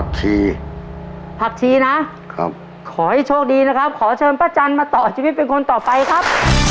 ขอให้โชคดีนะครับขอเชิญป๊าจันมาต่อจะมาเป็นคนต่อไปครับ